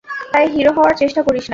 তাই হিরো হওয়ার চেষ্টা করিস না।